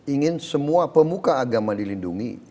ingin semua pemuka agama dilindungi